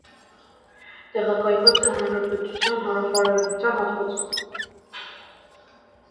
Տեղակայված է հանրապետության հարավարևմտյան հատվածում։